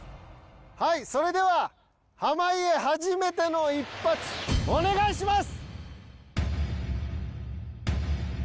はいそれでは濱家初めての一発お願いします！